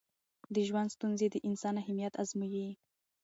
د ژوند ستونزې د انسان همت ازمويي.